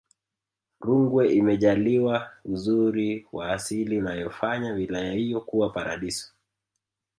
rungwe imejaliwa uzuri wa asili unayofanya wilaya hiyo kuwa paradiso